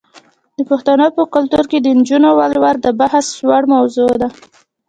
د پښتنو په کلتور کې د نجونو ولور د بحث وړ موضوع ده.